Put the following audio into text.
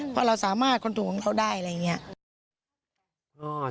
เพราะเราสามารถคอนโทรของเขาได้อะไรอย่างนี้